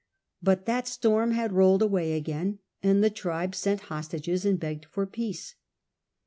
But that storm had rolled away again, and the tribes sent hostages and begged for peace.